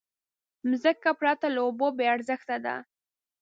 مځکه پرته له اوبو بېارزښته ده.